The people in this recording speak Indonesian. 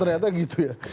ternyata gitu ya